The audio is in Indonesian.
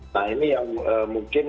nah ini yang mungkin